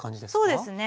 そうですね。